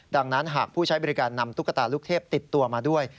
ดังนั้นหากผู้ใช้บริการนำตุ๊กตาลูกเทพติดตัวมาด้วย